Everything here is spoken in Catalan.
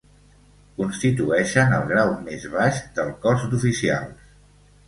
Constitueixen el grau més baix del Cos d'Oficials.